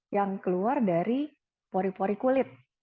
yang keluar dari pori pori kulit